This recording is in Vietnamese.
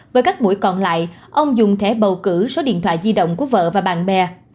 với các buổi còn lại ông dùng thẻ bầu cử số điện thoại di động của vợ và bạn bè